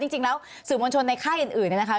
จริงแล้วสื่อมวลชนในค่ายอื่นเนี่ยนะคะ